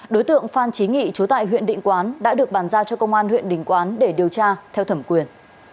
đối tượng phan chí nghị trú tại huyện định quán đã được bàn ra cho công an huyện định quán để điều tra theo thẩm quyền